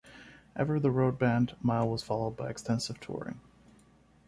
Ever the road band, "Mile" was followed by extensive touring.